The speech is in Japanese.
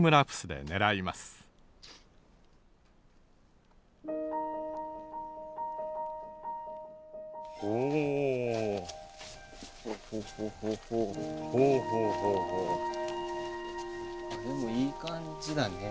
でもいい感じだね。